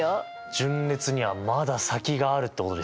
順列にはまだ先があるってことですね？